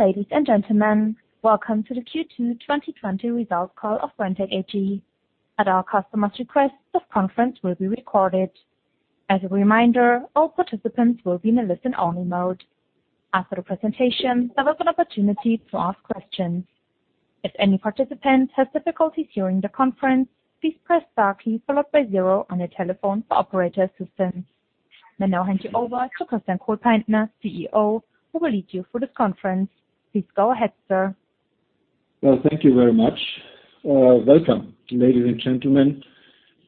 Ladies and gentlemen, welcome to the Q2 2020 results call of Brenntag AG. At our customers' request, this conference will be recorded. As a reminder, all participants will be in a listen-only mode. After the presentation, there is an opportunity to ask questions. Let me now hand you over to Christian Kohlpaintner, CEO, who will lead you through this conference. Please go ahead, sir. Well, thank you very much. Welcome, ladies and gentlemen,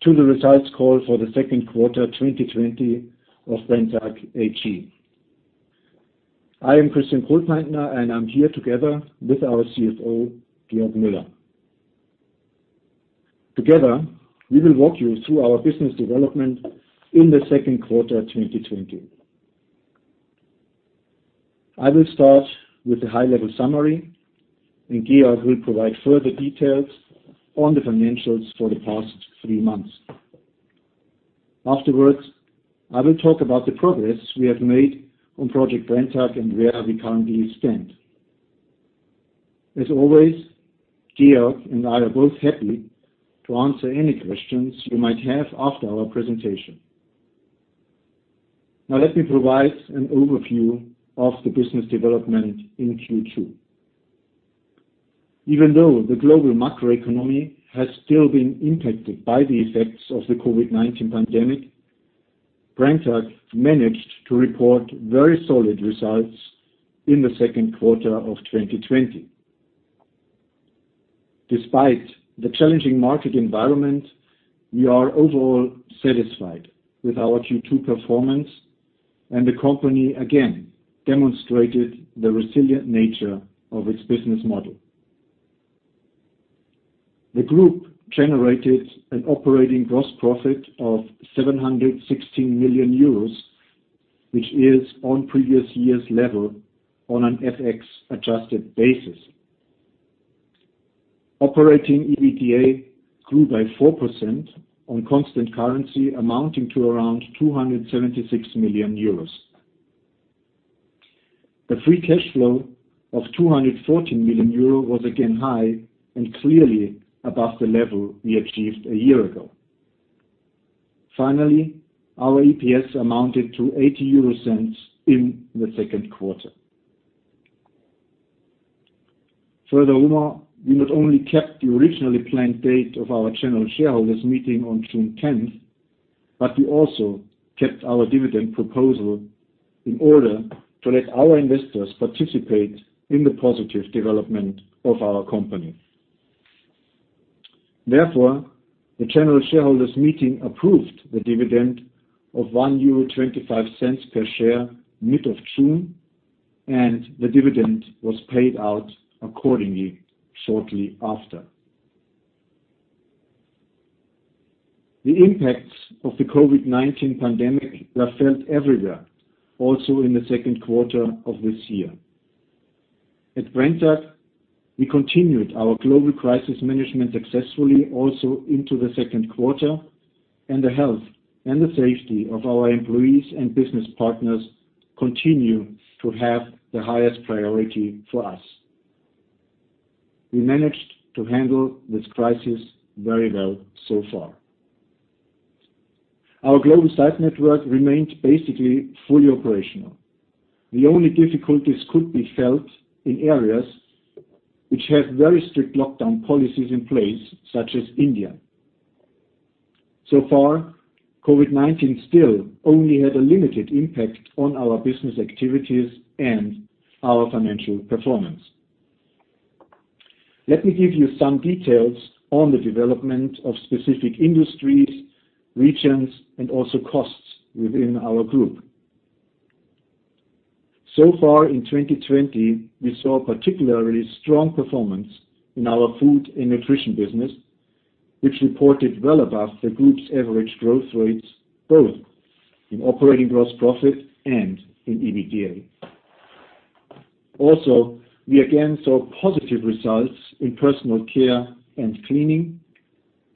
to the results call for the second quarter 2020 of Brenntag AG. I am Christian Kohlpaintner, and I'm here together with our CFO, Georg Müller. Together, we will walk you through our business development in the second quarter of 2020. I will start with the high-level summary, and Georg will provide further details on the financials for the past three months. Afterwards, I will talk about the progress we have made on Project Brenntag and where we currently stand. As always, Georg and I are both happy to answer any questions you might have after our presentation. Let me provide an overview of the business development in Q2. Even though the global macroeconomy has still been impacted by the effects of the COVID-19 pandemic, Brenntag AG managed to report very solid results in the second quarter of 2020. Despite the challenging market environment, we are overall satisfied with our Q2 performance, and the company again demonstrated the resilient nature of its business model. The group generated an operating gross profit of 716 million euros, which is on previous year's level on an FX adjusted basis. Operating EBITDA grew by 4% on constant currency amounting to around 276 million euros. The free cash flow of 214 million euro was again high and clearly above the level we achieved a year ago. Finally, our EPS amounted to 0.80 in the second quarter. Furthermore, we not only kept the originally planned date of our general shareholders meeting on June 10th, but we also kept our dividend proposal in order to let our investors participate in the positive development of our company. Therefore, the general shareholders meeting approved the dividend of 1.25 euro per share mid of June, and the dividend was paid out accordingly shortly after. The impacts of the COVID-19 pandemic were felt everywhere, also in the second quarter of this year. At Brenntag AG, we continued our global crisis management successfully also into the second quarter, and the health and the safety of our employees and business partners continue to have the highest priority for us. We managed to handle this crisis very well so far. Our global site network remained basically fully operational. The only difficulties could be felt in areas which have very strict lockdown policies in place, such as India. COVID-19 still only had a limited impact on our business activities and our financial performance. Let me give you some details on the development of specific industries, regions, and also costs within our group. Far in 2020, we saw particularly strong performance in our food and nutrition business, which reported well above the group's average growth rates, both in operating gross profit and in EBITDA. We again saw positive results in personal care and cleaning,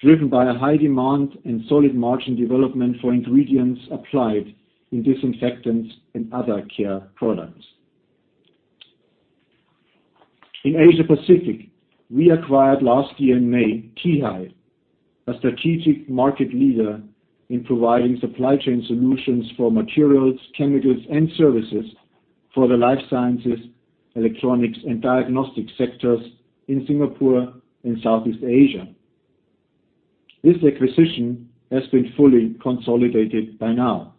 driven by a high demand and solid margin development for ingredients applied in disinfectants and other care products. In Asia-Pacific, we acquired last year in May, Tee Hai, a strategic market leader in providing supply chain solutions for materials, chemicals, and services for the life sciences, electronics, and diagnostic sectors in Singapore and Southeast Asia. This acquisition has been fully consolidated by now.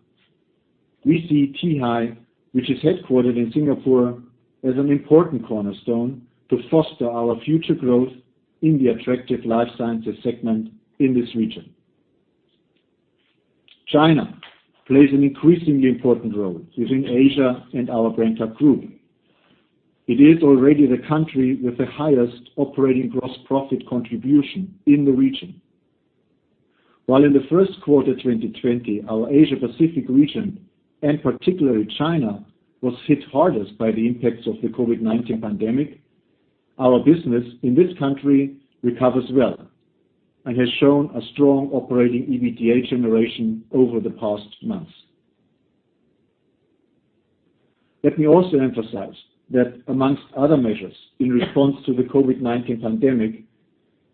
We see Tee Hai, which is headquartered in Singapore, as an important cornerstone to foster our future growth in the attractive life sciences segment in this region. China plays an increasingly important role within Asia and our Brenntag Group. It is already the country with the highest operating gross profit contribution in the region. While in the first quarter 2020, our Asia-Pacific region, and particularly China, was hit hardest by the impacts of the COVID-19 pandemic, our business in this country recovers well, and has shown a strong operating EBITDA generation over the past months. Let me also emphasize that amongst other measures in response to the COVID-19 pandemic,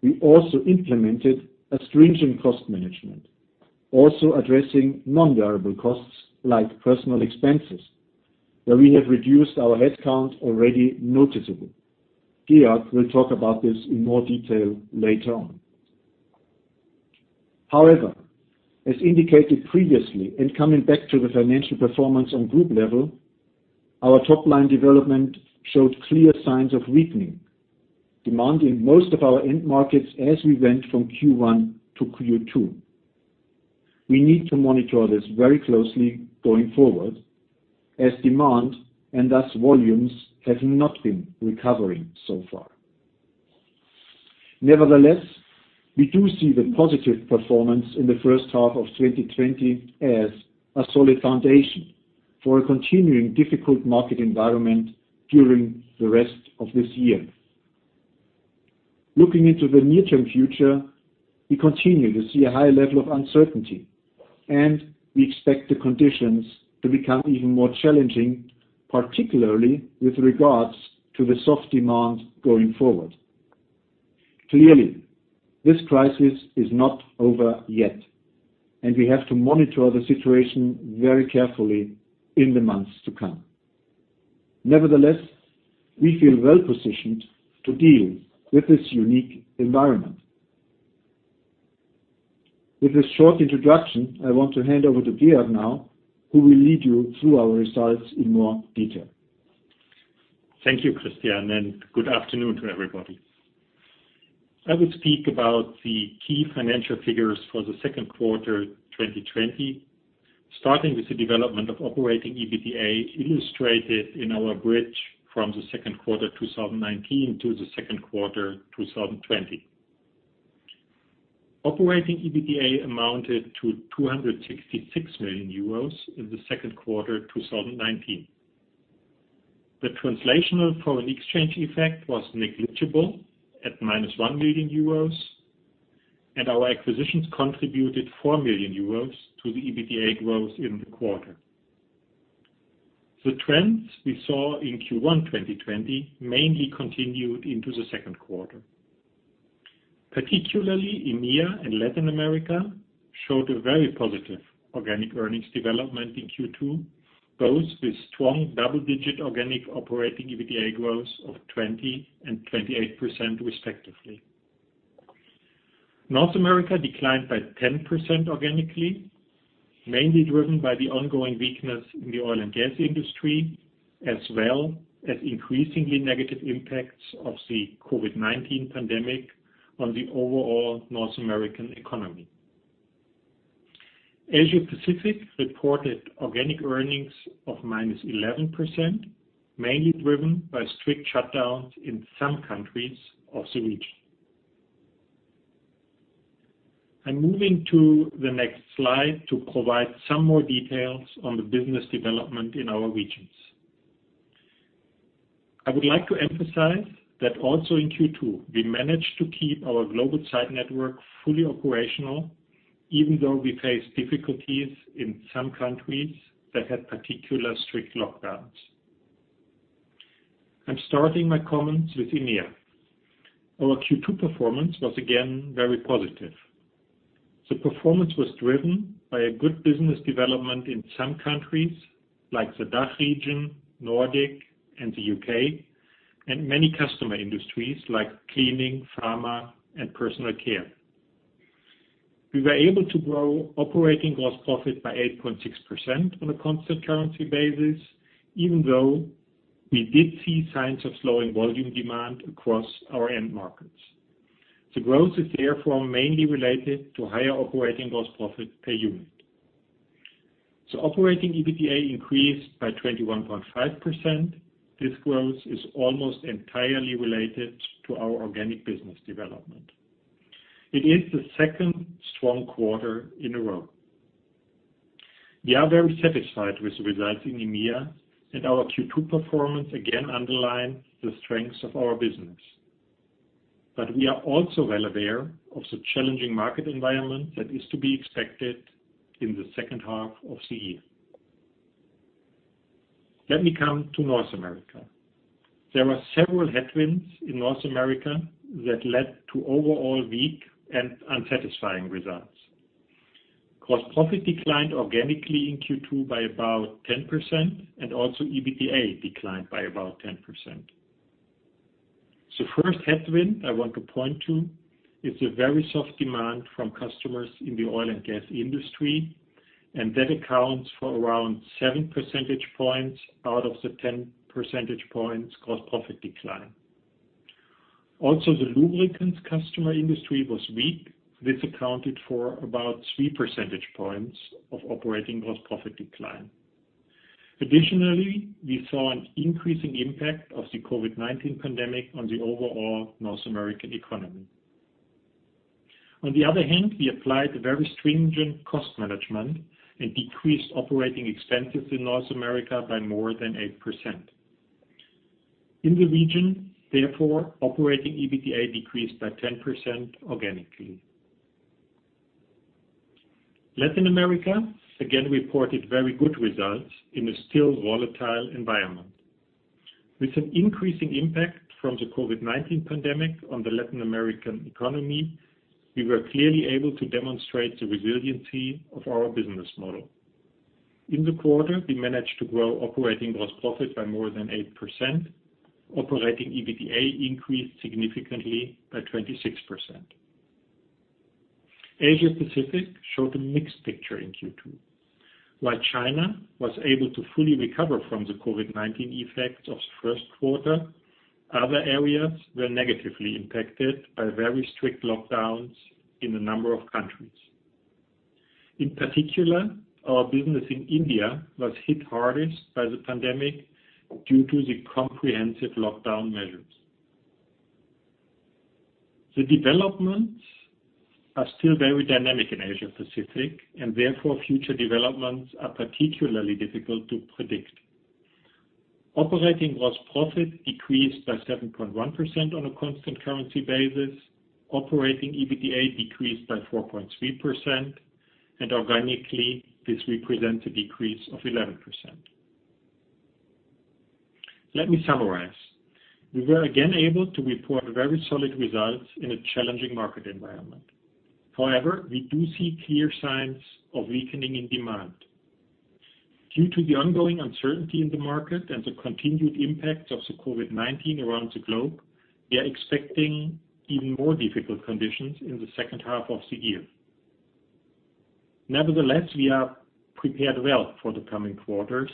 we also implemented a stringent cost management, also addressing non-variable costs like personal expenses, where we have reduced our headcount already noticeably. Georg will talk about this in more detail later on. However, as indicated previously and coming back to the financial performance on group level, our top-line development showed clear signs of weakening demand in most of our end markets as we went from Q1 to Q2. We need to monitor this very closely going forward as demand, and thus volumes, have not been recovering so far. Nevertheless, we do see the positive performance in the first half of 2020 as a solid foundation for a continuing difficult market environment during the rest of this year. Looking into the near-term future, we continue to see a high level of uncertainty, and we expect the conditions to become even more challenging, particularly with regards to the soft demand going forward. Clearly, this crisis is not over yet, and we have to monitor the situation very carefully in the months to come. Nevertheless, we feel well-positioned to deal with this unique environment. With this short introduction, I want to hand over to Georg now, who will lead you through our results in more detail. Thank you, Christian, and good afternoon to everybody. I will speak about the key financial figures for the second quarter 2020, starting with the development of operating EBITDA illustrated in our bridge from the second quarter 2019 to the second quarter 2020. Operating EBITDA amounted to 266 million euros in the second quarter 2019. The translational foreign exchange effect was negligible at minus 1 million euros, and our acquisitions contributed 4 million euros to the EBITDA growth in the quarter. The trends we saw in Q1 2020 mainly continued into the second quarter. Particularly EMEA and Latin America showed a very positive organic earnings development in Q2, both with strong double-digit organic operating EBITDA growth of 20% and 28% respectively. North America declined by 10% organically, mainly driven by the ongoing weakness in the oil and gas industry, as well as increasingly negative impacts of the COVID-19 pandemic on the overall North American economy. Asia Pacific reported organic earnings of -11%, mainly driven by strict shutdowns in some countries of the region. I'm moving to the next slide to provide some more details on the business development in our regions. I would like to emphasize that also in Q2, we managed to keep our global site network fully operational, even though we faced difficulties in some countries that had particular strict lockdowns. I'm starting my comments with EMEA. Our Q2 performance was again very positive. The performance was driven by a good business development in some countries like the DACH region, Nordic, and the U.K., and many customer industries like cleaning, pharma, and personal care. We were able to grow operating gross profit by 8.6% on a constant currency basis, even though we did see signs of slowing volume demand across our end markets. The growth is therefore mainly related to higher operating gross profit per unit. Operating EBITDA increased by 21.5%. This growth is almost entirely related to our organic business development. It is the second strong quarter in a row. We are very satisfied with the results in EMEA and our Q2 performance again underline the strengths of our business. We are also well aware of the challenging market environment that is to be expected in the second half of the year. Let me come to North America. There were several headwinds in North America that led to overall weak and unsatisfying results. Gross profit declined organically in Q2 by about 10% and also EBITDA declined by about 10%. First headwind I want to point to is the very soft demand from customers in the oil and gas industry, and that accounts for around 7 percentage points out of the 10 percentage points gross profit decline. Also, the lubricants customer industry was weak. This accounted for about 3 percentage points of operating gross profit decline. Additionally, we saw an increasing impact of the COVID-19 pandemic on the overall North American economy. On the other hand, we applied a very stringent cost management and decreased operating expenses in North America by more than 8%. In the region, therefore, operating EBITDA decreased by 10% organically. Latin America again reported very good results in a still volatile environment. With an increasing impact from the COVID-19 pandemic on the Latin American economy, we were clearly able to demonstrate the resiliency of our business model. In the quarter, we managed to grow operating gross profit by more than 8%. Operating EBITDA increased significantly by 26%. Asia Pacific showed a mixed picture in Q2. While China was able to fully recover from the COVID-19 effects of the first quarter, other areas were negatively impacted by very strict lockdowns in a number of countries. In particular, our business in India was hit hardest by the pandemic due to the comprehensive lockdown measures. The developments are still very dynamic in Asia Pacific, and therefore, future developments are particularly difficult to predict. Operating gross profit decreased by 7.1% on a constant currency basis. Operating EBITDA decreased by 4.3%, and organically, this represents a decrease of 11%. Let me summarize. We were again able to report very solid results in a challenging market environment. However, we do see clear signs of weakening in demand. Due to the ongoing uncertainty in the market and the continued impact of the COVID-19 around the globe, we are expecting even more difficult conditions in the second half of the year. We are prepared well for the coming quarters.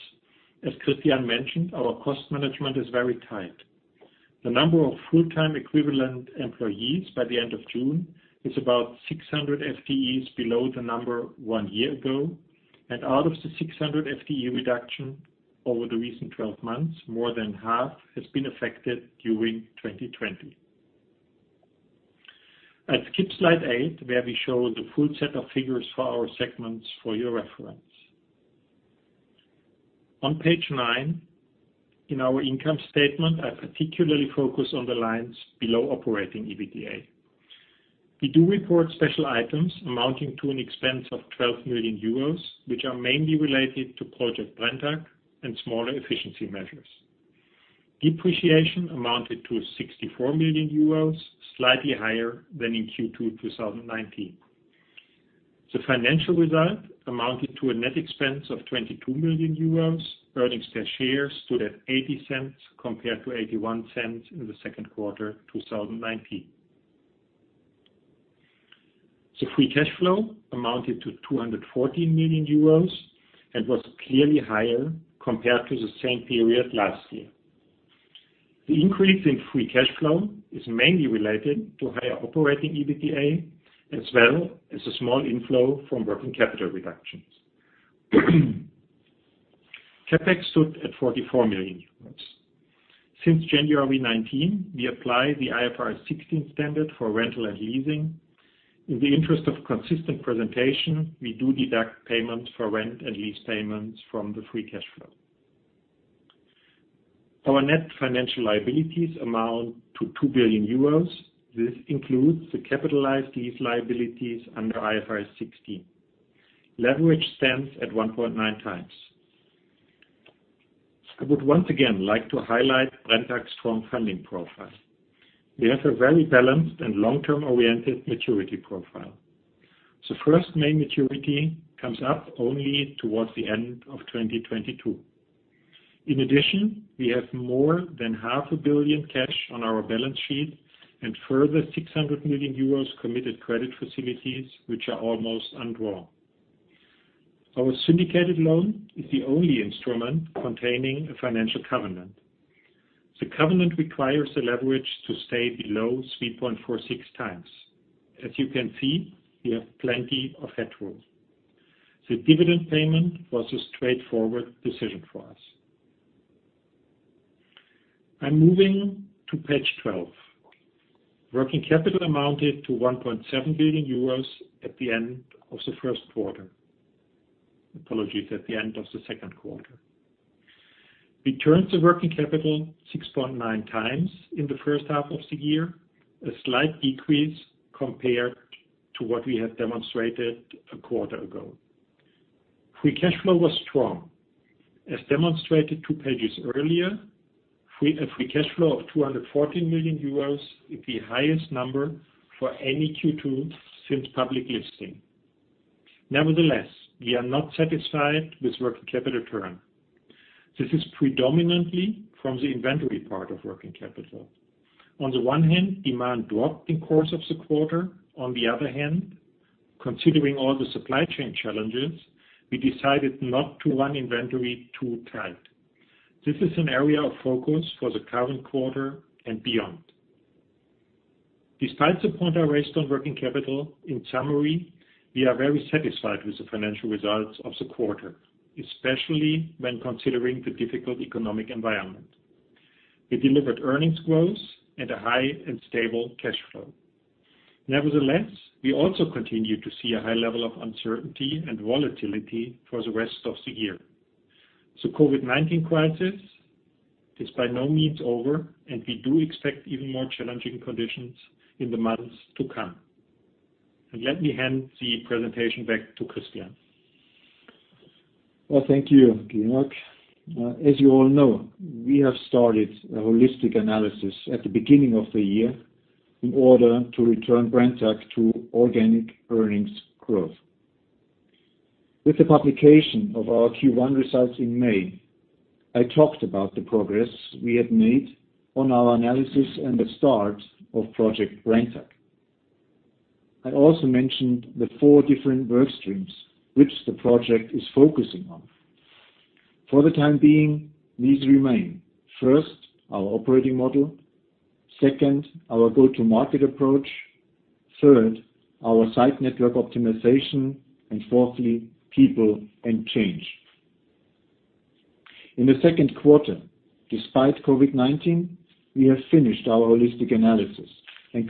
As Christian mentioned, our cost management is very tight. The number of full-time equivalent employees by the end of June is about 600 FTEs below the number one year ago, out of the 600 FTE reduction over the recent 12 months, more than half has been affected during 2020. I'd skip slide eight, where we show the full set of figures for our segments for your reference. On page nine, in our income statement, I particularly focus on the lines below operating EBITDA. We do report special items amounting to an expense of 12 million euros, which are mainly related to Project Brenntag and smaller efficiency measures. Depreciation amounted to 64 million euros, slightly higher than in Q2 2019. The financial result amounted to a net expense of 22 million euros. Earnings per share stood at 0.80 compared to 0.81 in the second quarter 2019. The free cash flow amounted to 214 million euros and was clearly higher compared to the same period last year. The increase in free cash flow is mainly related to higher operating EBITDA, as well as a small inflow from working capital reductions. CapEx stood at 44 million euros. Since January 2019, we apply the IFRS 16 standard for rental and leasing. In the interest of consistent presentation, we do deduct payments for rent and lease payments from the free cash flow. Our net financial liabilities amount to 2 billion euros. This includes the capitalized lease liabilities under IFRS 16. Leverage stands at 1.9 times. I would once again like to highlight Brenntag's AG strong funding profile. We have a very balanced and long-term oriented maturity profile. The first main maturity comes up only towards the end of 2022. In addition, we have more than 0.5 billion cash on our balance sheet and further 600 million euros committed credit facilities, which are almost undrawn. Our syndicated loan is the only instrument containing a financial covenant. The covenant requires the leverage to stay below 3.46 times. As you can see, we have plenty of headroom. The dividend payment was a straightforward decision for us. I'm moving to page 12. Working capital amounted to 1.7 billion euros at the end of the first quarter. Apologies, at the end of the second quarter. We turned the working capital 6.9 times in the first half of the year, a slight decrease compared to what we had demonstrated a quarter ago. Free cash flow was strong. As demonstrated two pages earlier, a free cash flow of 214 million euros is the highest number for any Q2 since public listing. Nevertheless, we are not satisfied with working capital turn. This is predominantly from the inventory part of working capital. On the one hand, demand dropped in course of the quarter. On the other hand, considering all the supply chain challenges, we decided not to run inventory too tight. This is an area of focus for the current quarter and beyond. Despite the point I raised on working capital, in summary, we are very satisfied with the financial results of the quarter, especially when considering the difficult economic environment. We delivered earnings growth and a high and stable cash flow. Nevertheless, we also continue to see a high level of uncertainty and volatility for the rest of the year. COVID-19 crisis is by no means over, we do expect even more challenging conditions in the months to come. Let me hand the presentation back to Christian. Well, thank you, Georg. As you all know, we have started a holistic analysis at the beginning of the year in order to return Brenntag AG to organic earnings growth. With the publication of our Q1 results in May, I talked about the progress we had made on our analysis and the start of Project Brenntag. I also mentioned the four different workstreams which the project is focusing on. For the time being, these remain. First, our operating model. Second, our go-to-market approach. Third, our site network optimization. Fourthly, people and change. In the second quarter, despite COVID-19, we have finished our holistic analysis.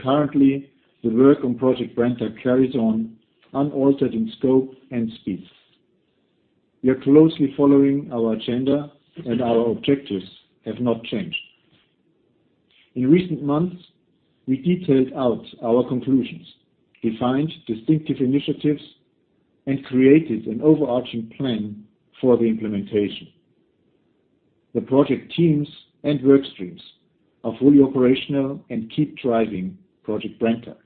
Currently, the work on Project Brenntag carries on unaltered in scope and speed. We are closely following our agenda and our objectives have not changed. In recent months, we detailed out our conclusions, defined distinctive initiatives, and created an overarching plan for the implementation. The project teams and workstreams are fully operational and keep driving Project Brenntag.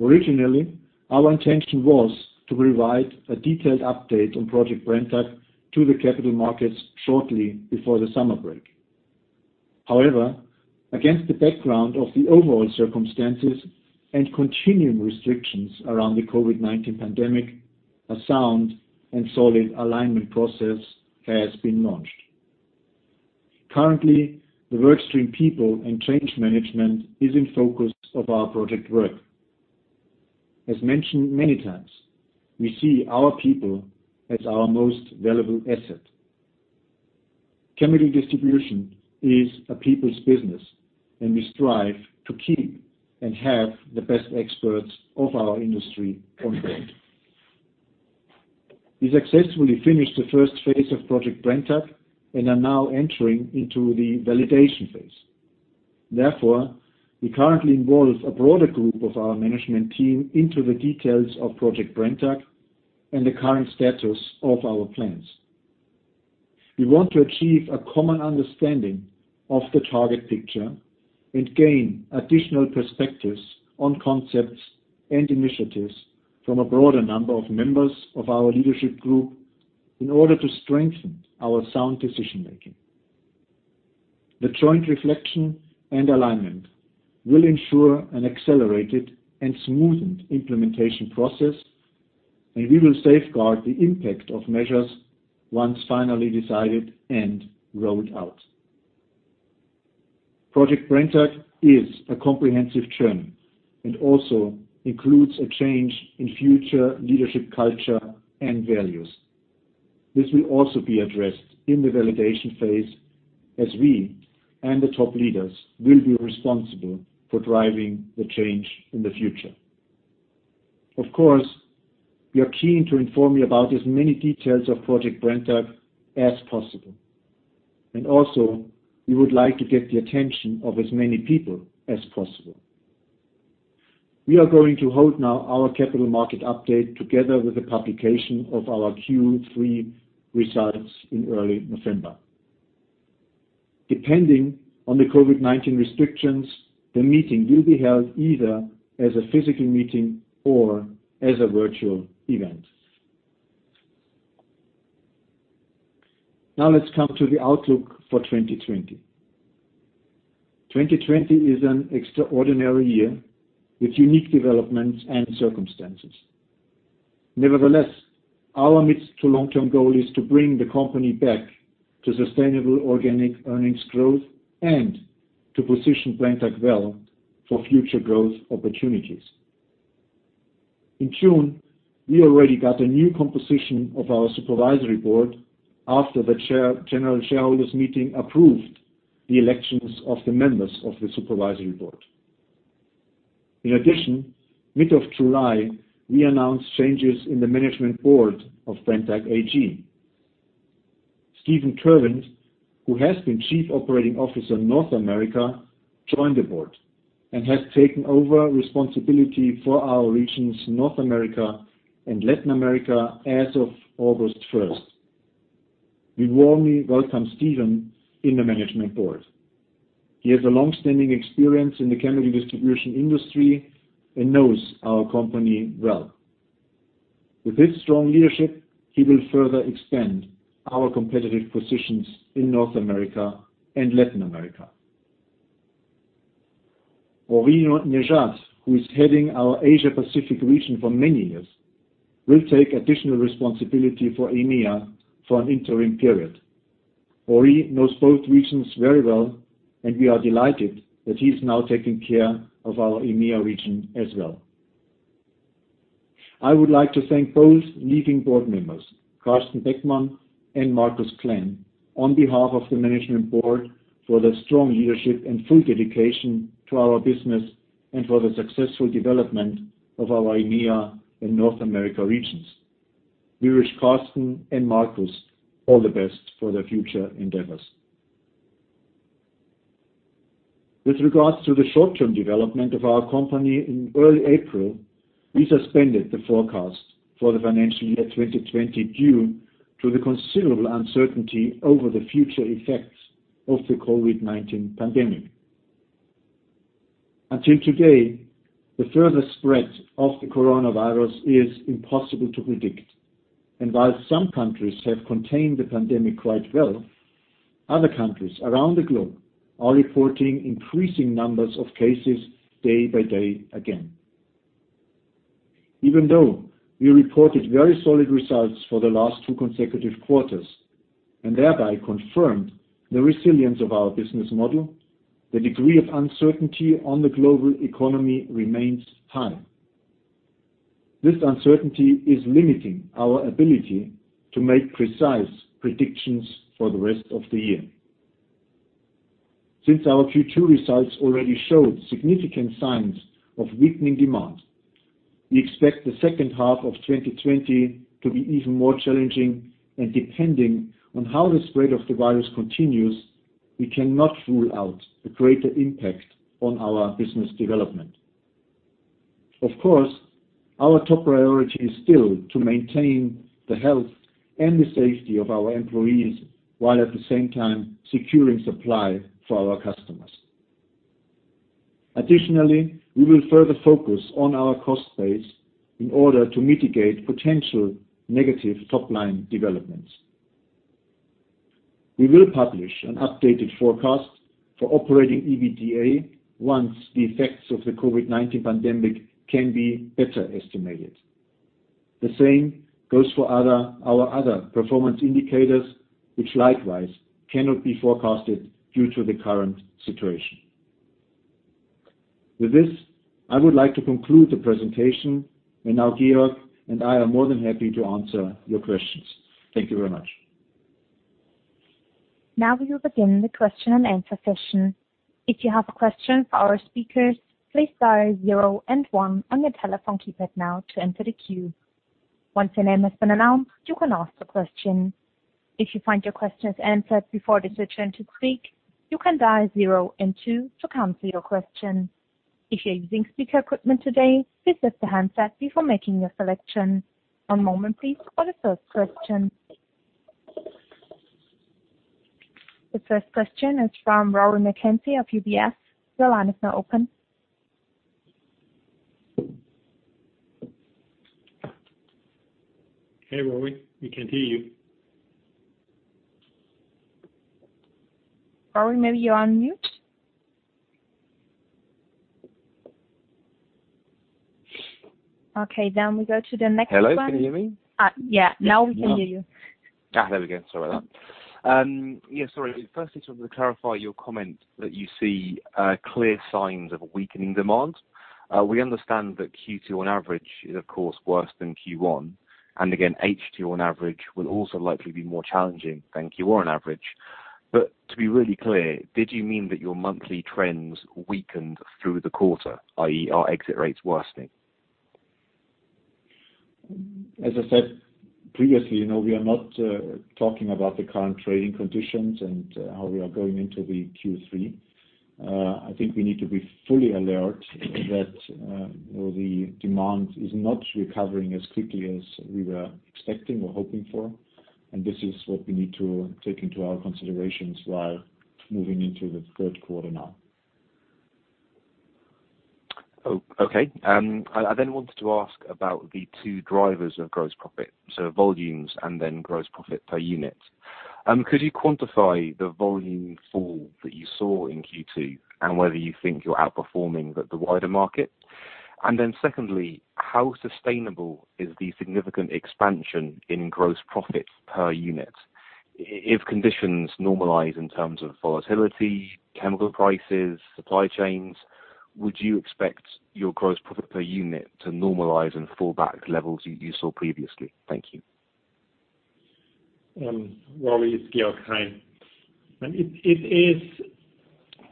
Originally, our intention was to provide a detailed update on Project Brenntag to the capital markets shortly before the summer break. Against the background of the overall circumstances and continuing restrictions around the COVID-19 pandemic, a sound and solid alignment process has been launched. Currently, the workstream people and change management is in focus of our project work. As mentioned many times, we see our people as our most valuable asset. Chemical distribution is a people's business, and we strive to keep and have the best experts of our industry on board. We successfully finished the first phase of Project Brenntag and are now entering into the validation phase. We currently involve a broader group of our management team into the details of Project Brenntag and the current status of our plans. We want to achieve a common understanding of the target picture and gain additional perspectives on concepts and initiatives from a broader number of members of our leadership group in order to strengthen our sound decision-making. The joint reflection and alignment will ensure an accelerated and smoothened implementation process, and we will safeguard the impact of measures once finally decided and rolled out. Project Brenntag is a comprehensive journey and also includes a change in future leadership culture and values. This will also be addressed in the validation phase as we and the top leaders will be responsible for driving the change in the future. Of course, we are keen to inform you about as many details of Project Brenntag as possible, and also we would like to get the attention of as many people as possible. We are going to hold now our capital market update together with the publication of our Q3 results in early November. Depending on the COVID-19 restrictions, the meeting will be held either as a physical meeting or as a virtual event. Now let's come to the outlook for 2020. 2020 is an extraordinary year with unique developments and circumstances. Nevertheless, our mid to long-term goal is to bring the company back to sustainable organic earnings growth and to position Brenntag AG well for future growth opportunities. In June, we already got a new composition of our supervisory board after the general shareholders meeting approved the elections of the members of the supervisory board. In addition, mid of July, we announced changes in the management board of Brenntag AG. Steven Terwindt, who has been Chief Operating Officer North America, joined the board and has taken over responsibility for our regions North America and Latin America as of August 1st. We warmly welcome Steven in the management board. He has a long-standing experience in the chemical distribution industry and knows our company well. With his strong leadership, he will further expand our competitive positions in North America and Latin America. Henri Nejade, who is heading our Asia Pacific region for many years, will take additional responsibility for EMEA for an interim period. Henri knows both regions very well, and we are delighted that he is now taking care of our EMEA region as well. I would like to thank both leaving board members, Karsten Beckmann and Markus Klähn, on behalf of the management board for their strong leadership and full dedication to our business and for the successful development of our EMEA and North America regions. We wish Karsten and Markus all the best for their future endeavors. With regards to the short-term development of our company in early April, we suspended the forecast for the financial year 2020 due to the considerable uncertainty over the future effects of the COVID-19 pandemic. Until today, the further spread of the coronavirus is impossible to predict, and while some countries have contained the pandemic quite well, other countries around the globe are reporting increasing numbers of cases day by day again. Even though we reported very solid results for the last two consecutive quarters and thereby confirmed the resilience of our business model, the degree of uncertainty on the global economy remains high. This uncertainty is limiting our ability to make precise predictions for the rest of the year. Since our Q2 results already showed significant signs of weakening demand, we expect the second half of 2020 to be even more challenging and depending on how the spread of the virus continues, we cannot rule out a greater impact on our business development. Of course, our top priority is still to maintain the health and the safety of our employees while at the same time securing supply for our customers. Additionally, we will further focus on our cost base in order to mitigate potential negative top-line developments. We will publish an updated forecast for operating EBITDA once the effects of the COVID-19 pandemic can be better estimated. The same goes for our other performance indicators, which likewise cannot be forecasted due to the current situation. With this, I would like to conclude the presentation, and now Georg and I are more than happy to answer your questions. Thank you very much. Now we will begin the question-and-answer session. If you have a question for our speakers, please dial zero and one on your telephone keypad now to enter the queue. Once your name has been announced, you can ask your question. If you find your question answered before it is returned to the queue and you can dial zero and two to cancel your question. If you changed speaker equipment today, please press the handset before making your selection. A moment, please, for the first question. The first question is from Rory McKenzie of UBS. Your line is now open. Hey, Rory. We can't hear you. Rory, maybe you are on mute. Okay, we go to the next one. Hello. Can you hear me? Yeah, now we can hear you. There we go. Sorry about that. Yeah, sorry. To clarify your comment that you see clear signs of weakening demand. We understand that Q2 on average is, of course, worse than Q1. Again, H2 on average will also likely be more challenging than Q1 on average. To be really clear, did you mean that your monthly trends weakened through the quarter, i.e., are exit rates worsening? As I said previously, we are not talking about the current trading conditions and how we are going into the Q3. I think we need to be fully alert that the demand is not recovering as quickly as we were expecting or hoping for, and this is what we need to take into our considerations while moving into the third quarter now. Okay. I then wanted to ask about the two drivers of gross profit, so volumes and then gross profit per unit. Could you quantify the volume fall that you saw in Q2 and whether you think you're outperforming the wider market? Secondly, how sustainable is the significant expansion in gross profit per unit? If conditions normalize in terms of volatility, chemical prices, supply chains, would you expect your gross profit per unit to normalize and fall back levels you saw previously? Thank you. Rory, it's Georg. Hi. It is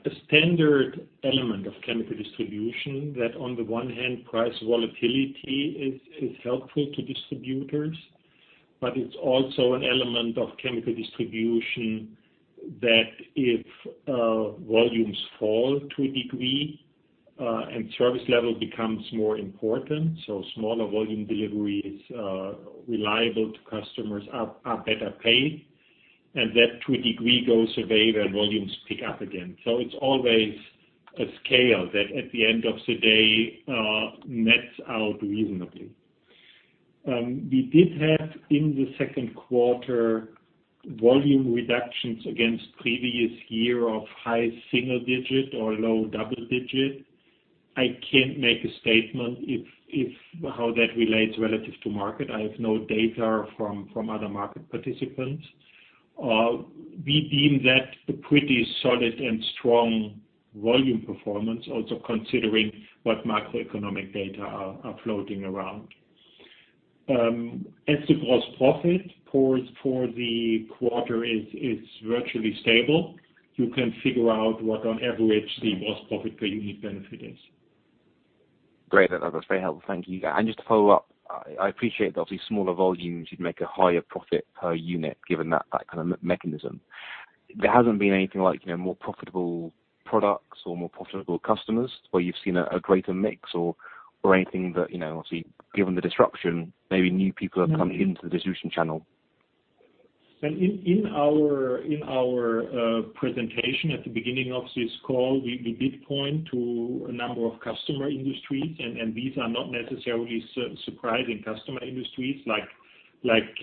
a standard element of chemical distribution that on the one hand, price volatility is helpful to distributors, but it's also an element of chemical distribution that if volumes fall to a degree and service level becomes more important, so smaller volume deliveries reliable to customers are better paid, and that to a degree goes away when volumes pick up again. It's always a scale that at the end of the day, nets out reasonably. We did have in the second quarter volume reductions against previous year of high single digit or low double digit. I can't make a statement how that relates relative to market. I have no data from other market participants. We deem that a pretty solid and strong Volume performance also considering what macroeconomic data are floating around. As the gross profit for the quarter is virtually stable, you can figure out what on average the gross profit per unit benefit is. Great. That's very helpful. Thank you. Just to follow up, I appreciate that obviously smaller volumes, you'd make a higher profit per unit given that kind of mechanism. There hasn't been anything like more profitable products or more profitable customers where you've seen a greater mix or anything that, obviously given the disruption, maybe new people have come into the distribution channel? In our presentation at the beginning of this call, we did point to a number of customer industries, and these are not necessarily surprising customer industries like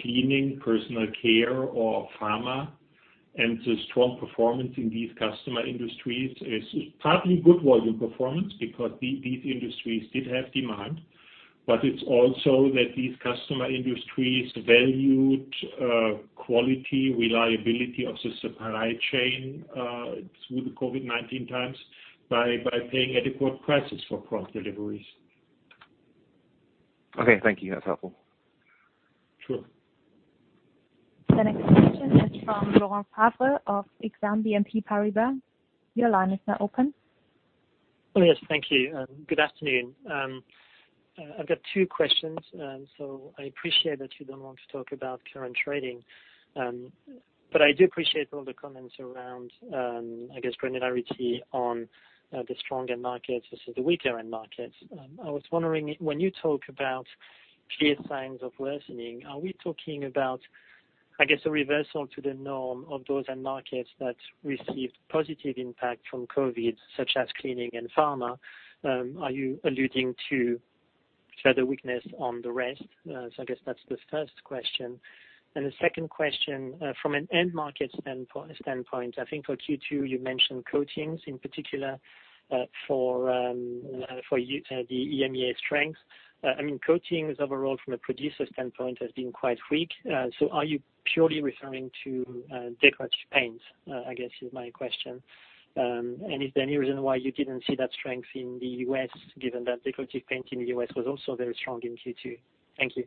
cleaning, personal care or pharma. The strong performance in these customer industries is partly good volume performance because these industries did have demand. It's also that these customer industries valued quality, reliability of the supply chain through the COVID-19 times by paying adequate prices for prompt deliveries. Okay. Thank you. That's helpful. Sure. The next question is from Laurent Favre of Exane BNP Paribas. Your line is now open. Oh, yes. Thank you. Good afternoon. I've got two questions. I appreciate that you don't want to talk about current trading. I do appreciate all the comments around, I guess, granularity on the stronger end markets versus the weaker end markets. I was wondering, when you talk about clear signs of worsening, are we talking about, I guess, a reversal to the norm of those end markets that received positive impact from COVID-19, such as cleaning and pharma? Are you alluding to further weakness on the rest? I guess that's the first question. The second question, from an end market standpoint, I think for Q2, you mentioned coatings in particular, for the EMEA strength. Coatings overall from a producer standpoint has been quite weak. Are you purely referring to decorative paints, I guess is my question. Is there any reason why you didn't see that strength in the U.S., given that decorative paint in the U.S. was also very strong in Q2? Thank you.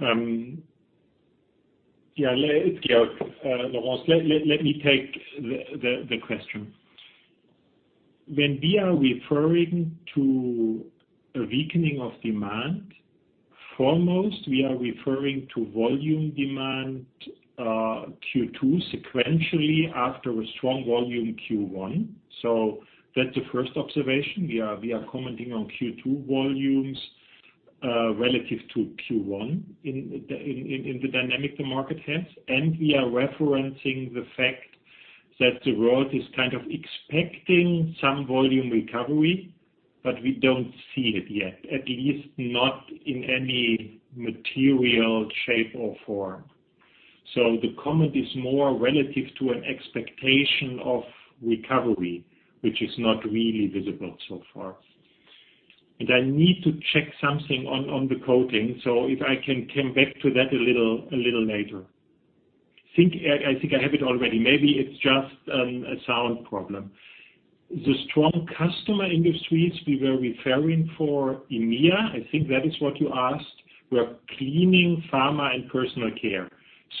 Yeah. It's Georg. Laurent, let me take the question. When we are referring to a weakening of demand, foremost we are referring to volume demand Q2 sequentially after a strong volume Q1. That's the first observation. We are commenting on Q2 volumes relative to Q1 in the dynamic the market has, and we are referencing the fact that the world is kind of expecting some volume recovery, but we don't see it yet, at least not in any material shape or form. The comment is more relative to an expectation of recovery, which is not really visible so far. I need to check something on the coating. If I can come back to that a little later. I think I have it already. Maybe it's just a sound problem. The strong customer industries we were referring for EMEA, I think that is what you asked, were cleaning, pharma and personal care.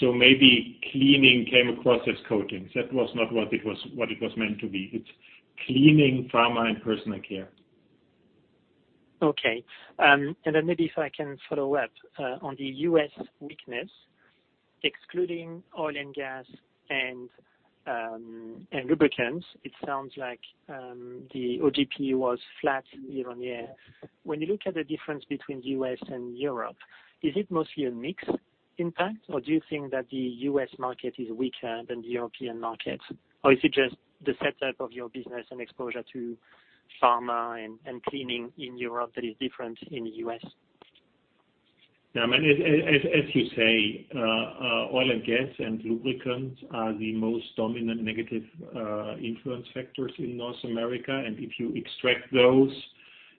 Maybe cleaning came across as coatings. That was not what it was meant to be. It's cleaning, pharma and personal care. Okay. Maybe if I can follow up. On the US weakness, excluding oil and gas and lubricants, it sounds like the OGP was flat year-over-year. When you look at the difference between U.S. and Europe, is it mostly a mix impact or do you think that the US market is weaker than the European market? Or is it just the setup of your business and exposure to pharma and cleaning in Europe that is different in the U.S.? As you say, oil and gas and lubricants are the most dominant negative influence factors in North America. If you extract those,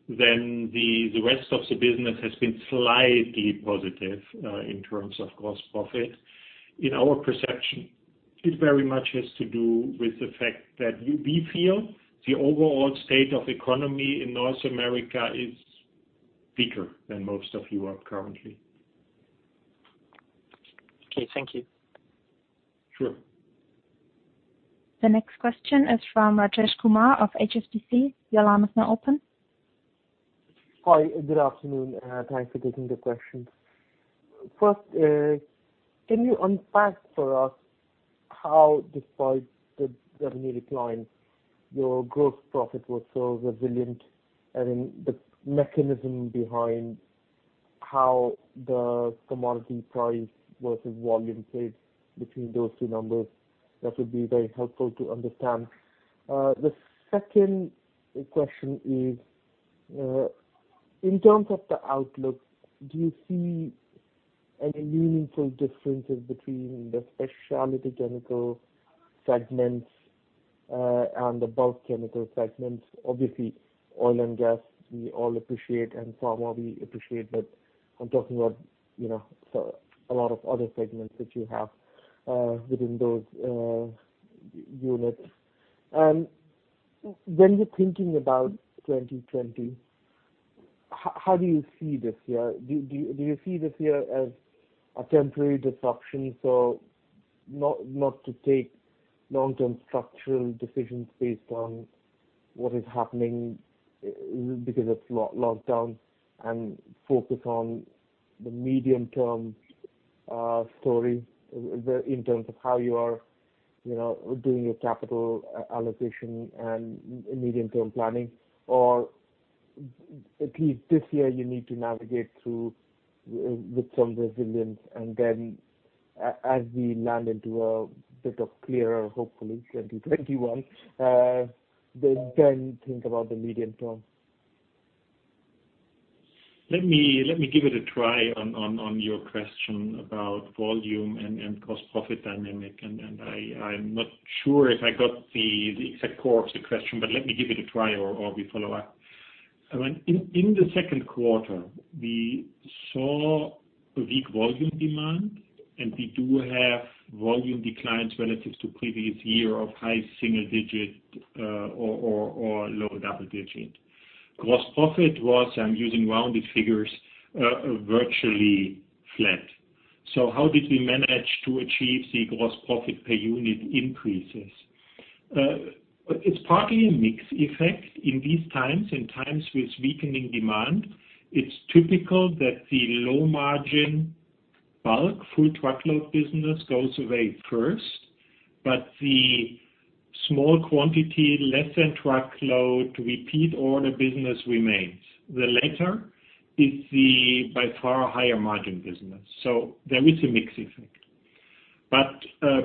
then the rest of the business has been slightly positive in terms of gross profit. In our perception, it very much has to do with the fact that we feel the overall state of economy in North America is weaker than most of Europe currently. Okay. Thank you. Sure. The next question is from Rajesh Kumar of HSBC. Your line is now open. Hi. Good afternoon. Thanks for taking the questions. First, can you unpack for us how, despite the revenue decline, your gross profit was so resilient and the mechanism behind how the commodity price versus volume played between those two numbers? That would be very helpful to understand. The second question is, in terms of the outlook, do you see any meaningful differences between the specialty chemical segments and the bulk chemical segments? Obviously, oil and gas we all appreciate and pharma we appreciate, but I'm talking about a lot of other segments that you have within those units. When you're thinking about 2020, how do you see this year? Do you see this year as a temporary disruption, so not to take long-term structural decisions based on what is happening because it's lockdown and focus on the medium-term story in terms of how you are doing your capital allocation and medium-term planning? At least this year you need to navigate through with some resilience and then as we land into a bit of clearer, hopefully, 2021, then think about the medium-term? Let me give it a try on your question about volume and gross profit dynamic, and I'm not sure if I got the exact core of the question, but let me give it a try or we follow up. In the second quarter, we saw a weak volume demand, and we do have volume declines relative to previous year of high single digit or low double digit. Gross profit was, I'm using rounded figures, virtually flat. How did we manage to achieve the gross profit per unit increases? It's partly a mix effect in these times. In times with weakening demand, it's typical that the low-margin bulk, full truckload business goes away first, but the small quantity, less than truckload, repeat order business remains. The latter is the, by far, higher margin business. There is a mix effect.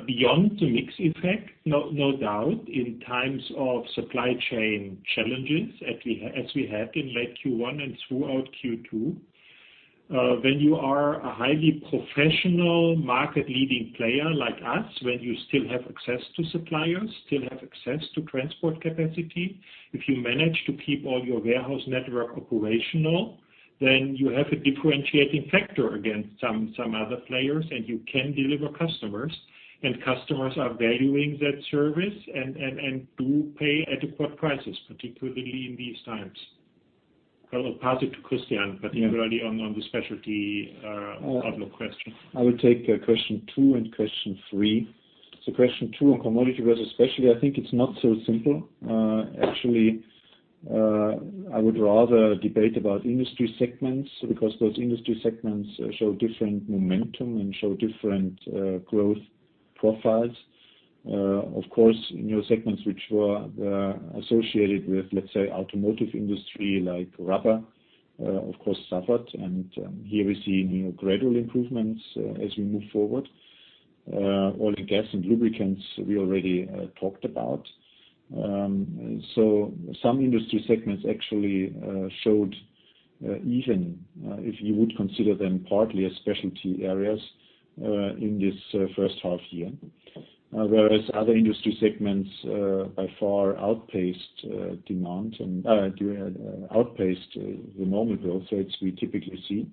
Beyond the mix effect, no doubt in times of supply chain challenges as we had in late Q1 and throughout Q2, when you are a highly professional, market-leading player like us, when you still have access to suppliers, still have access to transport capacity, if you manage to keep all your warehouse network operational, then you have a differentiating factor against some other players and you can deliver customers, and customers are valuing that service and do pay adequate prices, particularly in these times. I will pass it to Christian, particularly on the specialty outlook question. I will take question two and question three. Question two on commodity versus specialty, I think it's not so simple. Actually, I would rather debate about industry segments because those industry segments show different momentum and show different growth profiles. Of course, newer segments which were associated with, let's say, automotive industry like rubber of course suffered, and here we see gradual improvements as we move forward. Oil and Gas and lubricants, we already talked about. Some industry segments actually showed, even if you would consider them partly as specialty areas, in this first half year. Whereas other industry segments by far outpaced the normal growth rates we typically see,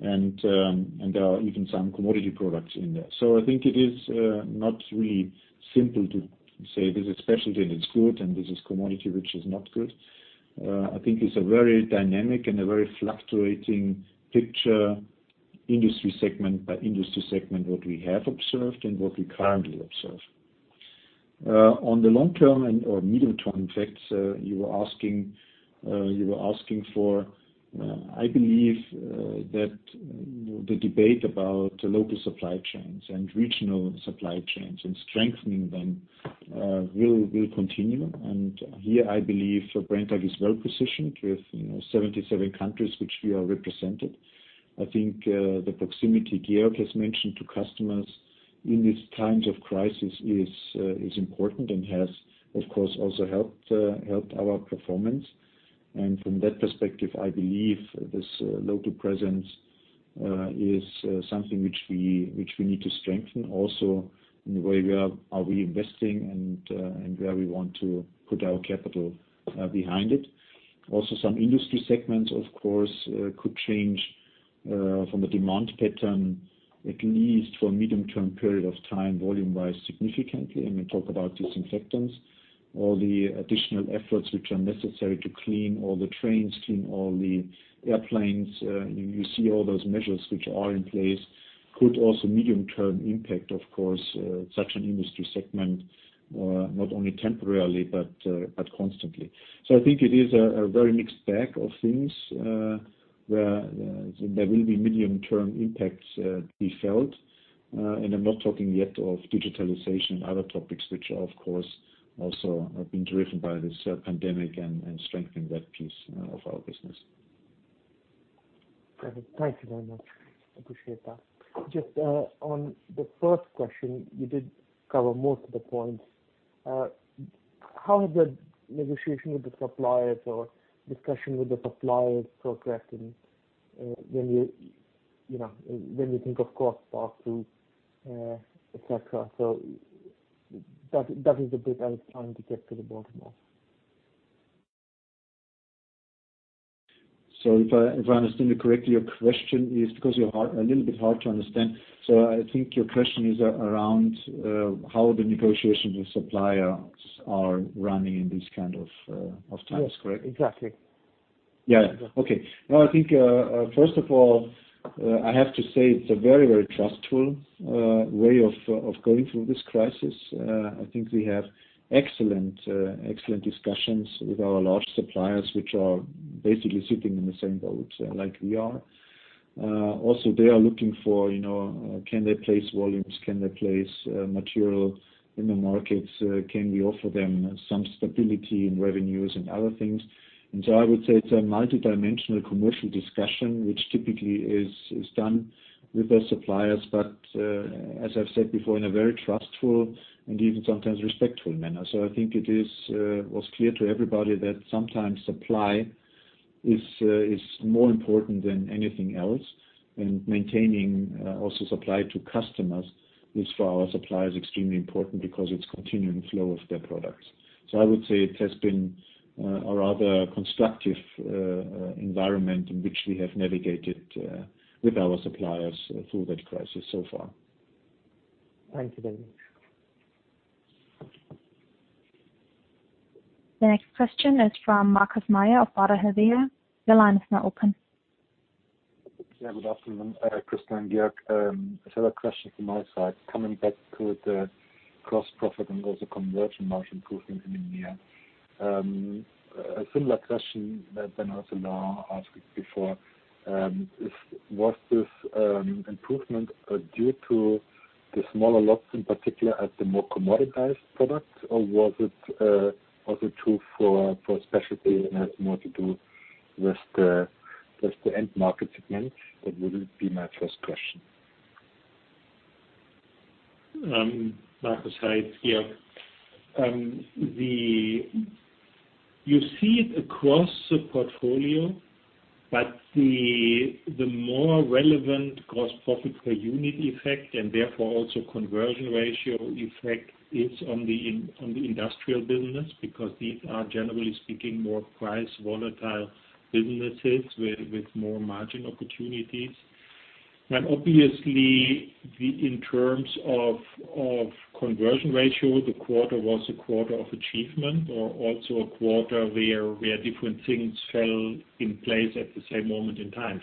and there are even some commodity products in there. I think it is not really simple to say this is specialty and it's good, and this is commodity, which is not good. I think it's a very dynamic and a very fluctuating picture, industry segment by industry segment, what we have observed and what we currently observe. On the long-term and, or medium-term effects, you were asking for, I believe, that the debate about local supply chains and regional supply chains and strengthening them will continue. Here, I believe Brenntag AG is well-positioned with 77 countries which we are represented. I think, the proximity Georg has mentioned to customers in these times of crisis is important and has, of course, also helped our performance. From that perspective, I believe this local presence is something which we need to strengthen also in the way we are reinvesting and where we want to put our capital behind it. Also, some industry segments, of course, could change from the demand pattern, at least for a medium-term period of time, volume-wise, significantly, and we talk about disinfectants or the additional efforts which are necessary to clean all the trains, clean all the airplanes. You see all those measures which are in place could also medium-term impact, of course, such an industry segment, not only temporarily, but constantly. I think it is a very mixed bag of things, where there will be medium-term impacts to be felt. I'm not talking yet of digitalization and other topics which, of course, also have been driven by this pandemic and strengthening that piece of our business. Thank you very much. Appreciate that. Just on the first question, you did cover most of the points. How has the negotiation with the suppliers or discussion with the suppliers progressed and when you think of cost pass-through, et cetera? That is the bit I was trying to get to the bottom of. If I understand you correctly, your question is, because you're a little bit hard to understand, so I think your question is around how the negotiations with suppliers are running in these kind of times, correct? Yes, exactly. Yeah. Okay. I think, first of all, I have to say it's a very trustful way of going through this crisis. I think we have excellent discussions with our large suppliers, which are basically sitting in the same boat like we are. They are looking for can they place volumes, can they place material in the markets? Can we offer them some stability in revenues and other things? I would say it's a multidimensional commercial discussion, which typically is done with the suppliers, but, as I've said before, in a very trustful and even sometimes respectful manner. I think it was clear to everybody that sometimes supply is more important than anything else, and maintaining also supply to customers is, for our suppliers, extremely important because it's continuing flow of their products. I would say it has been a rather constructive environment in which we have navigated with our suppliers through that crisis so far. Thank you both. The next question is from Markus Mayer of Baader Helvea. Your line is now open. Good afternoon, Christian, Georg. I have a question from my side. Coming back to the gross profit and also conversion margin improvement in EMEA. A similar question that Bernard Taylor asked before. Was this improvement due to the smaller lots, in particular at the more commoditized product, or was it also true for specialty and has more to do with the end market segment? That would be my first question. Markus, hi. It's Georg. You see it across the portfolio, but the more relevant gross profit per unit effect and therefore also conversion ratio effect is on the industrial business because these are, generally speaking, more price volatile businesses with more margin opportunities. Obviously, in terms of conversion ratio, the quarter was a quarter of achievement or also a quarter where different things fell in place at the same moment in time.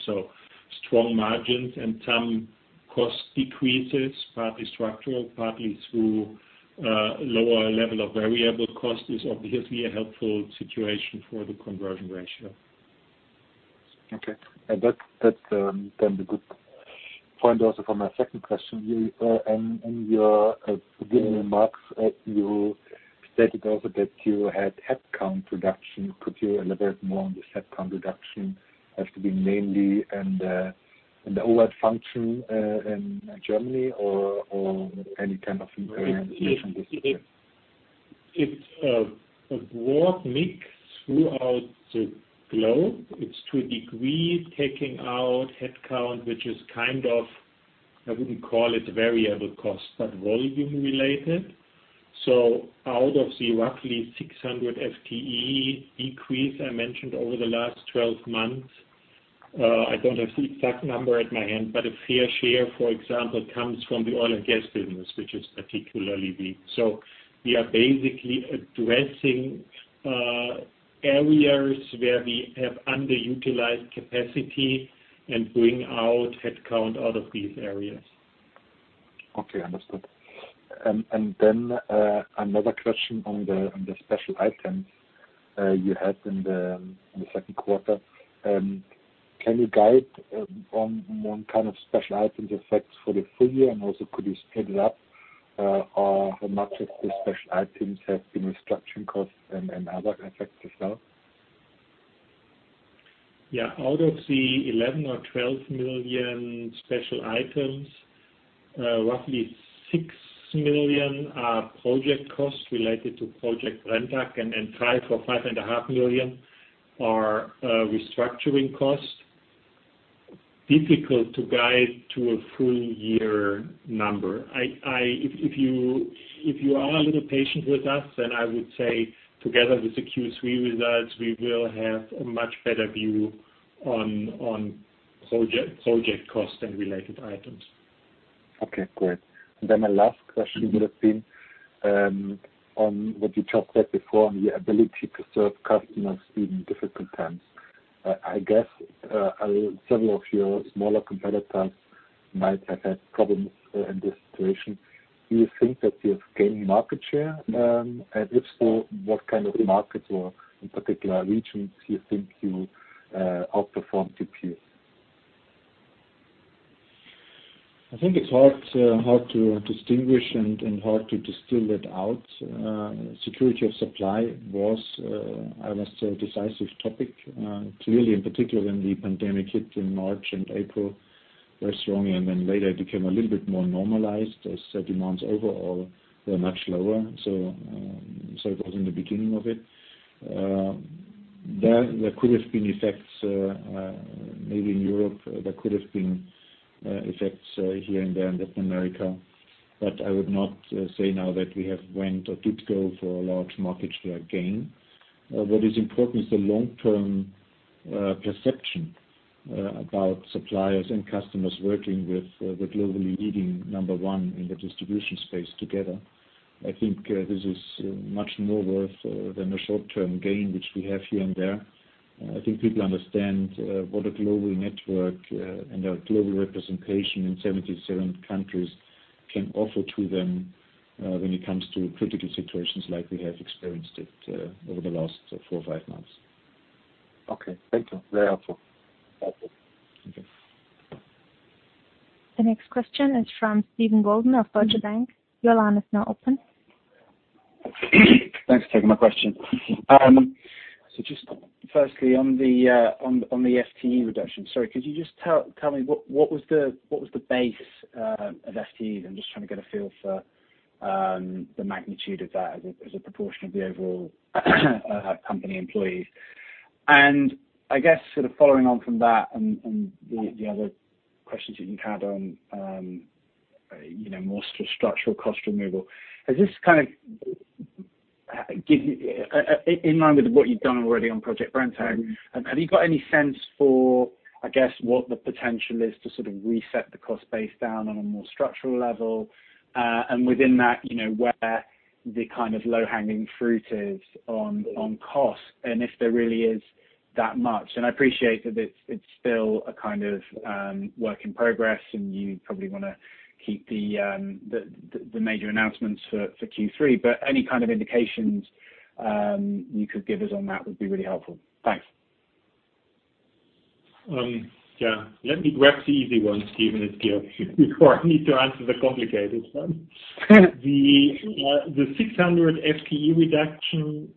Strong margins and some cost decreases, partly structural, partly through lower level of variable cost is obviously a helpful situation for the conversion ratio. Okay. That's then a good point also for my second question. In your beginning remarks, you stated also that you had headcount reduction. Could you elaborate more on this headcount reduction as to mainly in the overhead function in Germany or any kind of implementation decision? It's a broad mix throughout the globe. It's to a degree taking out headcount, which is kind of, I wouldn't call it variable cost, but volume related. Out of the roughly 600 FTE decrease I mentioned over the last 12 months, I don't have the exact number at my hand, but a fair share, for example, comes from the oil and gas business, which is particularly weak. We are basically addressing areas where we have underutilized capacity and bring out headcount out of these areas. Okay, understood. Another question on the special items you had in the second quarter. Can you guide on special items effects for the full year? Could you split it up how much of the special items have been restructuring costs and other effects as well? Out of the 11 million or 12 million special items, roughly 6 million are project costs related to Project Brenntag, and 5 million or 5.5 million are restructuring costs. Difficult to guide to a full year number. If you are a little patient with us, then I would say together with the Q3 results, we will have a much better view on project cost and related items. Okay, great. My last question would have been on what you talked about before, on your ability to serve customers during difficult times. I guess several of your smaller competitors might have had problems in this situation. Do you think that you have gained market share? If so, what kind of markets or in particular regions do you think you outperformed your peers? I think it's hard to distinguish and hard to distill it out. Security of supply was, I must say, a decisive topic. Clearly, in particular when the pandemic hit in March and April, very strongly, and then later it became a little bit more normalized as demands overall were much lower. It was in the beginning of it. There could have been effects maybe in Europe, there could have been effects here and there in Latin America. I would not say now that we have went or did go for a large market share gain. What is important is the long-term perception about suppliers and customers working with the globally leading number one in the distribution space together. I think this is much more worth than the short-term gain, which we have here and there. I think people understand what a global network and our global representation in 77 countries can offer to them when it comes to critical situations like we have experienced it over the last four or five months. Okay. Thank you. Very helpful. Okay. The next question is from Stephen Goulden of Deutsche Bank. Your line is now open. Thanks for taking my question. Just firstly, on the FTE reduction, sorry, could you just tell me what was the base of FTEs? I'm just trying to get a feel for the magnitude of that as a proportion of the overall company employees. I guess following on from that and the other questions you had on more structural cost removal. In line with what you've done already on Project Brenntag, have you got any sense for, I guess, what the potential is to sort of reset the cost base down on a more structural level? Within that, where the low-hanging fruit is on cost and if there really is that much. I appreciate that it's still a work in progress and you probably want to keep the major announcements for Q3, but any kind of indications you could give us on that would be really helpful. Thanks. Yeah. Let me grab the easy one, Stephen, before I need to answer the complicated one. The 600 FTE reduction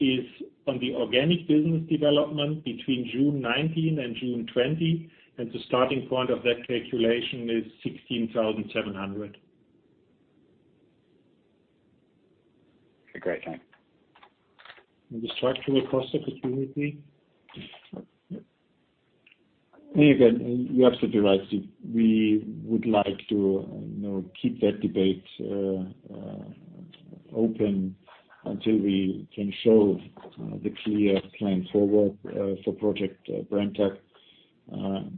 is on the organic business development between June 2019 and June 2020, and the starting point of that calculation is 16,700. Okay, great. Thanks. The structural cost opportunity. Again, you're absolutely right. We would like to keep that debate open until we can show the clear plan forward for Project Brenntag.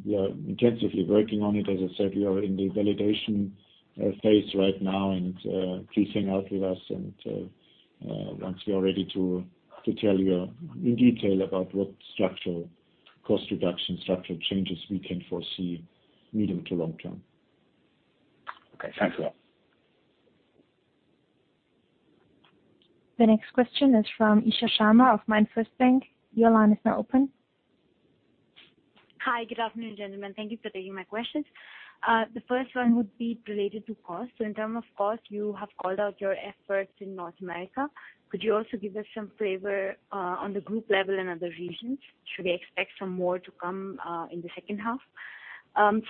We are intensively working on it. As I said, we are in the validation phase right now and please hang out with us and once we are ready to tell you in detail about what structural cost reduction, structural changes we can foresee medium to long term. Okay. Thanks a lot. The next question is from Isha Sharma of MainFirst Bank. Your line is now open. Hi. Good afternoon, gentlemen. Thank you for taking my questions. The first one would be related to cost. In terms of cost, you have called out your efforts in North America. Could you also give us some flavor on the group level in other regions? Should we expect some more to come in the second half?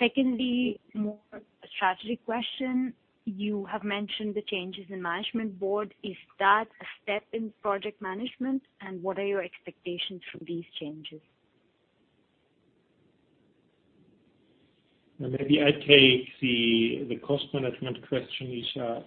Secondly, more a strategy question. You have mentioned the changes in Management Board. Is that a step in Project Brenntag? What are your expectations from these changes? Maybe I take the cost management question, Isha.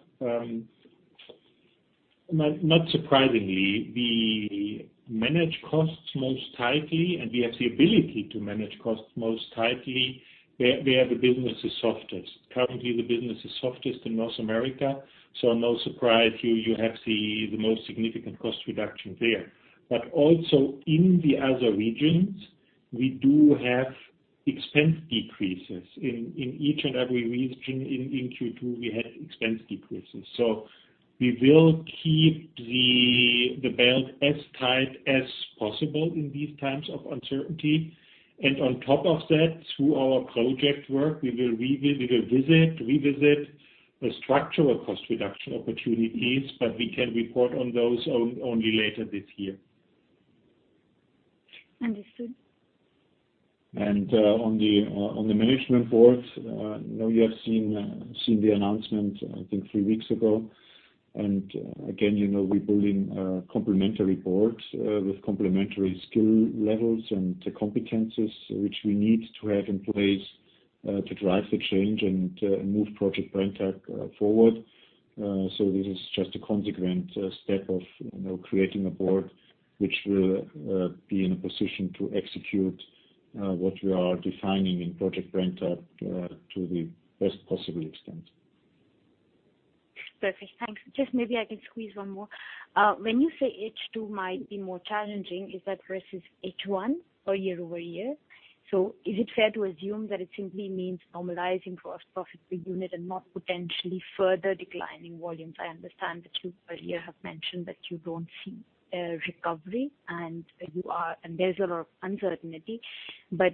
Not surprisingly, we manage costs most tightly and we have the ability to manage costs most tightly where the business is softest. Currently, the business is softest in North America, so no surprise you have the most significant cost reduction there. Also in the other regions, we do have expense decreases. In each and every region in Q2, we had expense decreases. We will keep the belt as tight as possible in these times of uncertainty. On top of that, through our project work, we will revisit the structural cost reduction opportunities, but we can report on those only later this year. Understood. On the Management Board, I know you have seen the announcement, I think three weeks ago. Again, we're building a complementary board with complementary skill levels and the competencies which we need to have in place to drive the change and move Project Brenntag forward. This is just a consequent step of creating a board which will be in a position to execute what we are defining in Project Brenntag to the best possible extent. Perfect. Thanks. Just maybe I can squeeze one more. When you say H2 might be more challenging, is that versus H1 or year-over-year? Is it fair to assume that it simply means normalizing for profit per unit and not potentially further declining volumes? I understand that you earlier have mentioned that you don't see a recovery and there's a lot of uncertainty, but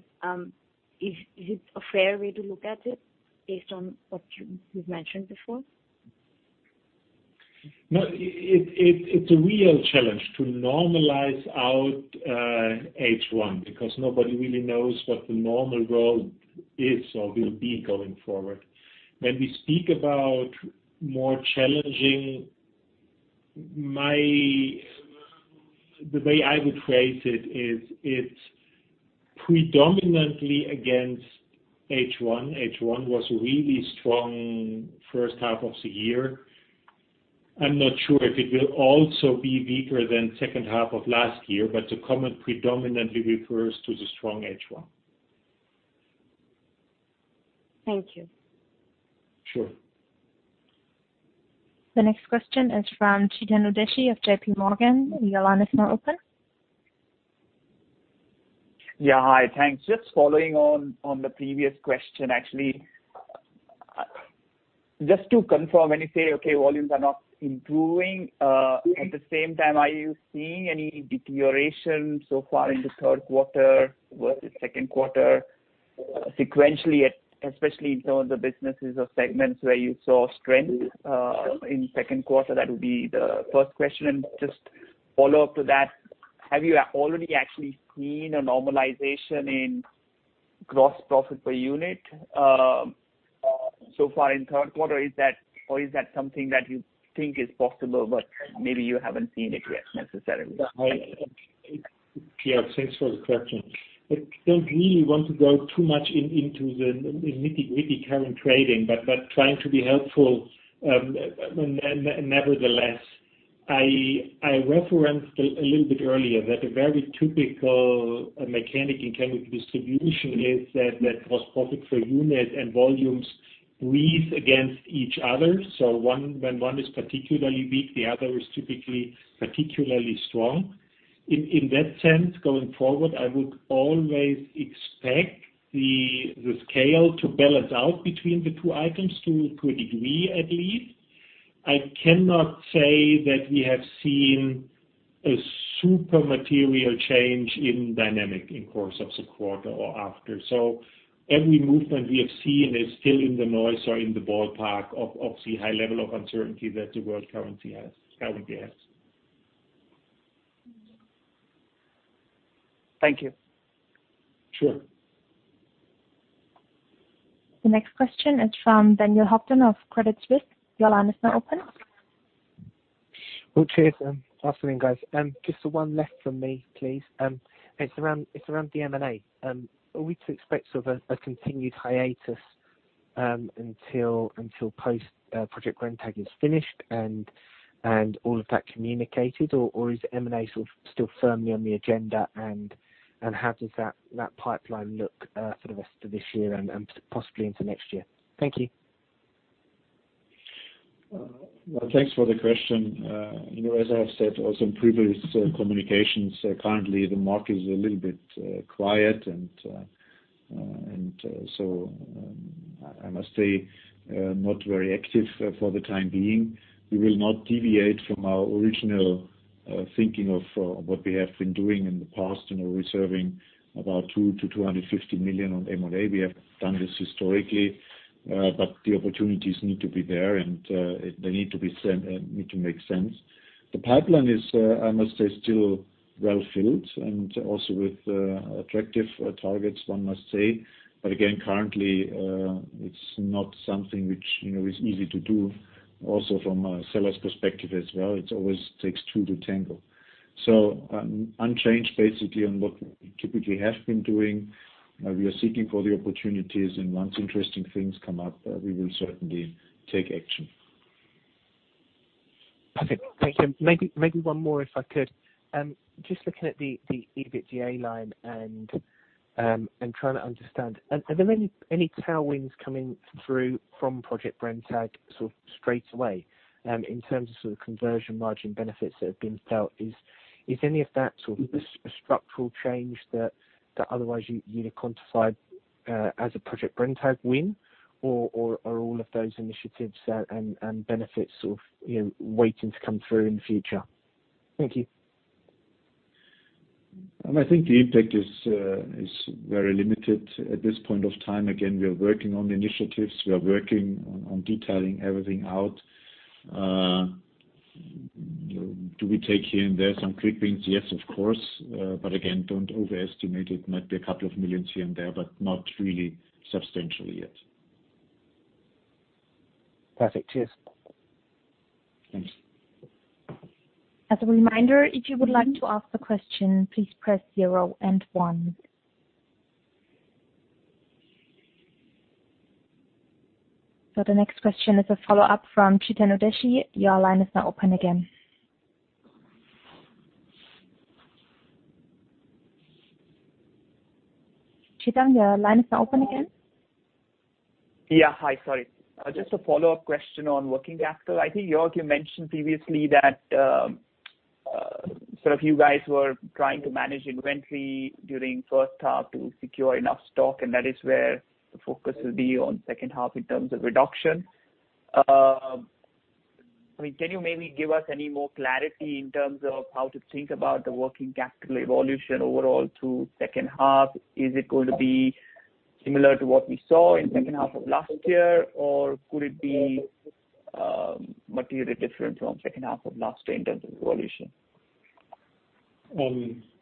is it a fair way to look at it based on what you've mentioned before? It's a real challenge to normalize out H1 because nobody really knows what the normal world is or will be going forward. When we speak about more challenging, the way I would phrase it is, it's predominantly against H1. H1 was a really strong first half of the year. I'm not sure if it will also be weaker than second half of last year, but the comment predominantly refers to the strong H1. Thank you. Sure. The next question is from Chetan Udeshi of JPMorgan. Your line is now open. Yeah. Hi. Thanks. Just following on the previous question, actually. Just to confirm, when you say, okay, volumes are not improving, at the same time, are you seeing any deterioration so far in the third quarter versus second quarter sequentially, especially in terms of businesses or segments where you saw strength in second quarter? That would be the first question. Just follow-up to that, have you already actually seen a normalization in gross profit per unit so far in third quarter? Is that something that you think is possible, but maybe you haven't seen it yet necessarily? Yeah. Thanks for the question. I don't really want to go too much into the nitty-gritty current trading, but trying to be helpful. I referenced a little bit earlier that a very typical mechanic in chemical distribution is that gross profit per unit and volumes breathe against each other. When one is particularly weak, the other is typically particularly strong. In that sense, going forward, I would always expect the scale to balance out between the two items to a degree, at least. I cannot say that we have seen a super material change in dynamic in course of the quarter or after. Every movement we have seen is still in the noise or in the ballpark of the high level of uncertainty that the world currently has. Thank you. Sure. The next question is from Daniel Houghton of Credit Suisse. Your line is now open. Oh, cheers. Awesome guys. Just the one left from me, please. It's around the M&A. Are we to expect sort of a continued hiatus until post Project Brenntag is finished and all of that communicated, or is M&A still firmly on the agenda, and how does that pipeline look for the rest of this year and possibly into next year? Thank you. Well, thanks for the question. As I have said, also in previous communications, currently the market is a little bit quiet and so I must say, not very active for the time being. We will not deviate from our original thinking of what we have been doing in the past, reserving about 200 million-250 million on M&A. We have done this historically. The opportunities need to be there, and they need to make sense. The pipeline is, I must say, still well-filled and also with attractive targets, one must say. Again, currently, it's not something which is easy to do, also from a seller's perspective as well. It always takes two to tango. Unchanged basically on what we typically have been doing. We are seeking for the opportunities, and once interesting things come up, we will certainly take action. Perfect. Thank you. Maybe one more, if I could. Just looking at the EBITDA line and trying to understand, are there any tailwinds coming through from Project Brenntag sort of straight away, in terms of sort of conversion margin benefits that have been felt? Is any of that sort of a structural change that otherwise you'd quantify as a Project Brenntag win, or are all of those initiatives and benefits sort of waiting to come through in the future? Thank you. I think the impact is very limited at this point of time. Again, we are working on initiatives. We are working on detailing everything out. Do we take here and there some quick wins? Yes, of course. Again, don't overestimate it. Might be a couple of million here and there, but not really substantial yet. Perfect. Cheers. Thanks. As a reminder, if you would like to ask a question, please press zero and one. The next question is a follow-up from Chetan Udeshi. Your line is now open again. Chetan, your line is now open again. Yeah. Hi, sorry. Just a follow-up question on working capital. I think Georg, you mentioned previously that sort of you guys were trying to manage inventory during first half to secure enough stock, and that is where the focus will be on second half in terms of reduction. Can you maybe give us any more clarity in terms of how to think about the working capital evolution overall through second half? Is it going to be similar to what we saw in second half of last year, or could it be materially different from second half of last year in terms of evolution?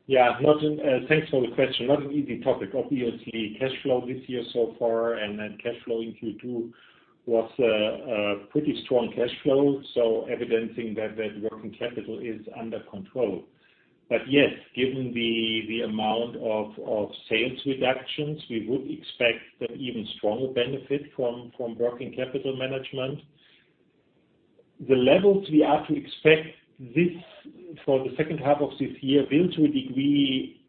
Yeah. Thanks for the question. Not an easy topic. Obviously, cash flow this year so far, and then cash flow in Q2 was a pretty strong cash flow, so evidencing that the working capital is under control. Yes, given the amount of sales reductions, we would expect an even stronger benefit from working capital management. The levels we have to expect this for the second half of this year will, to a degree,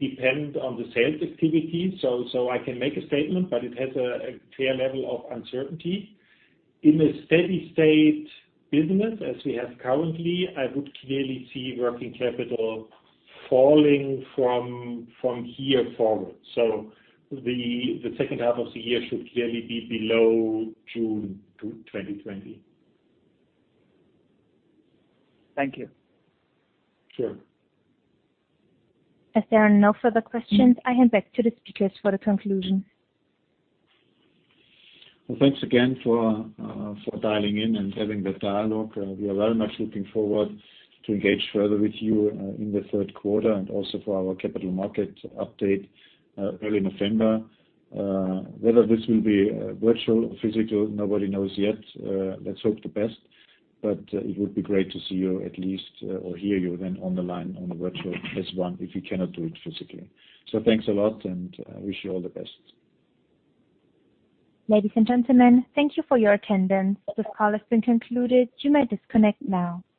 depend on the sales activity. I can make a statement, but it has a fair level of uncertainty. In a steady state business as we have currently, I would clearly see working capital falling from here forward. The second half of the year should clearly be below June 2020. Thank you. Sure. As there are no further questions, I hand back to the speakers for the conclusion. Well, thanks again for dialing in and having that dialogue. We are very much looking forward to engage further with you in the third quarter, and also for our capital market update early November. Whether this will be virtual or physical, nobody knows yet. It would be great to see you at least or hear you then on the line on the virtual S1 if you cannot do it physically. Thanks a lot, and I wish you all the best. Ladies and gentlemen, thank you for your attendance. This call has been concluded. You may disconnect now.